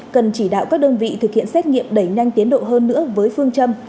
cần chỉ đạo các đơn vị thực hiện xét nghiệm đẩy nhanh tiến độ hơn nữa với phương châm